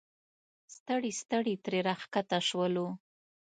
ستړي ستړي ترې راښکته شولو.